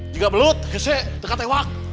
juga belut gese teka tewak